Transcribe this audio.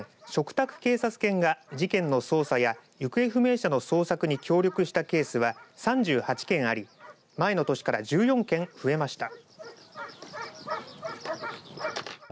県内では去年嘱託警察犬が事件の捜査や行方不明者の捜索に協力したケースは３８件あり前の年から１４件増えました。